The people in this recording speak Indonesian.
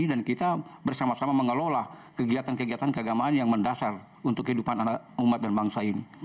dan kita bersama sama mengelola kegiatan kegiatan keagamaan yang mendasar untuk kehidupan umat dan bangsa ini